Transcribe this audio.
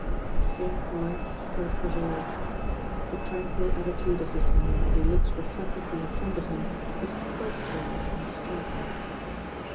A faint light still prevails. The tranquil attitude of this man as he looks reflectively in front of him is sculptural and striking.